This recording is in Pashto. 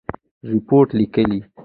رپوټ لیکئ؟